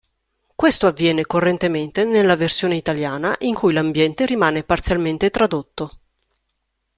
Questo avviene correntemente nella versione italiana in cui l'ambiente rimane parzialmente tradotto.